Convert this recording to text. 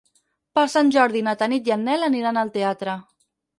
Per Sant Jordi na Tanit i en Nel aniran al teatre.